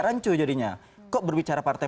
rancu jadinya kok berbicara partai